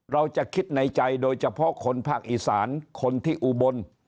เราจะคิดในใจโดยเฉพาะคนภาคอีสานคนที่อุบล